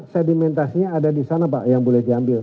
sedimentasinya ada di sana pak yang boleh diambil